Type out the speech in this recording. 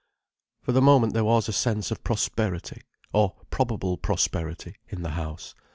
For the moment there was a sense of prosperity—or probable prosperity, in the house.